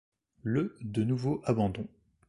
Le de nouveaux abandons.